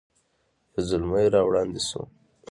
یو زلمی را وړاندې شو.